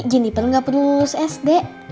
jeniper nggak perlu lulus sd